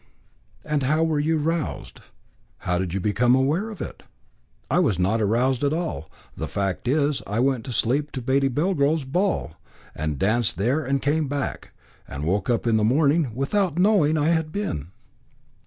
"And how were you roused? How did you become aware of it?" "I was not roused at all; the fact is I went asleep to Lady Belgrove's ball, and danced there and came back, and woke up in the morning without knowing I had been."